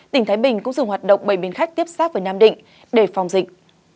tỉnh thái bình cũng dùng hoạt động bày biến khách tiếp xác với nam định để phòng dịch